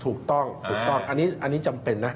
ถูกต้องอันนี้จำเป็นนะ